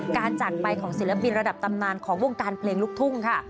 จากไปของศิลปินระดับตำนานของวงการเพลงลูกทุ่งค่ะ